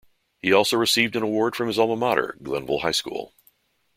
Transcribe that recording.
He also has received an award from his alma mater, Glenville High School.